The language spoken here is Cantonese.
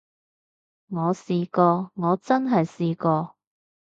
我試過，我真係試過